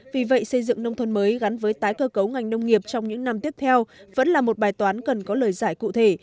vì vậy xây dựng nông thôn mới gắn với tái cơ cấu ngành nông nghiệp trong những năm tiếp theo vẫn là một bài toán cần có lời giải cụ thể